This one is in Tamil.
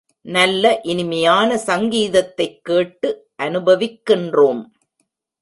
நல்ல இனிமையான சங்கீதத்தைக் கேட்டு அநுபவிக்கின்றோம்.